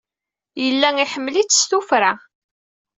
Yella iḥemmel-itt s tuffra.